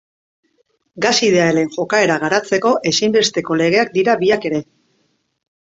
Gas idealen jokaera garatzeko ezinbesteko legeak dira biak ere.